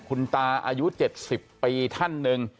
คุณตาอายุ๗๐ปีท่านหนึ่ง